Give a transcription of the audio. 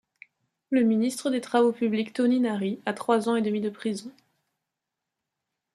Le ministre des Travaux publics Tony Nari, à trois ans et demi de prison.